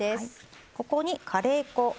ここにカレー粉。